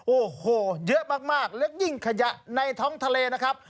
โอ้โหเยอะมากและยิ่งขยะในท้องทะเลนะครับ